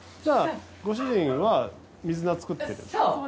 じゃあご主人は水菜作ってる？